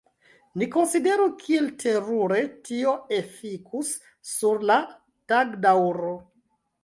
Ni konsideru kiel terure tio efikus sur la tagdaŭro.